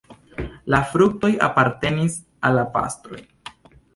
La fruktoj apartenis al la pastroj.